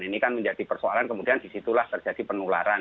ini kan menjadi persoalan kemudian disitulah terjadi penularan